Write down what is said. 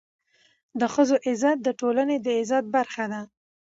د ښځو عزت د ټولني د عزت برخه ده.